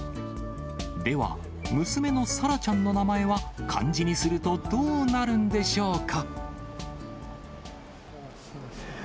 では、娘のサラちゃんの名前は漢字にするとどうなるんでしょうか？